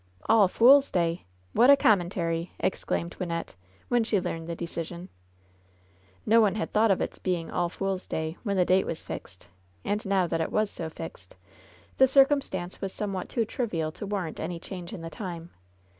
"All Eools' Day! What a commentary!" exclaimed Wynnette, when she learned the decision. No one had thought of its being All Fools' Day when the date was fixed ; and now that it was so fixed, the circumstance was somewhat too trivial to warrant any change in the time.